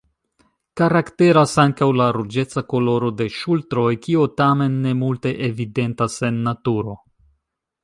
Karakteras ankaŭ la ruĝeca koloro de ŝultroj, kio tamen ne multe evidentas en naturo.